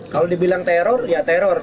kalau dibilang teror ya teror